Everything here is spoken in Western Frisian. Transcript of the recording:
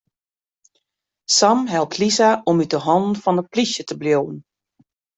Sam helpt Lisa om út 'e hannen fan de plysje te bliuwen.